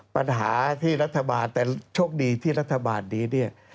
ปัญหาที่รัฐบาลแต่โชคดีที่รัฐบาลนี้เนี่ย